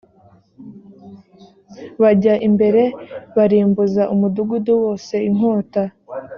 bajya imbere barimbuza umudugudu wose inkota